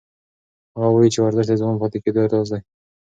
هغه وایي چې ورزش د ځوان پاتې کېدو راز دی.